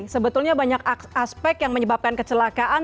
sebetulnya banyak aspek yang menyebabkan kecelakaan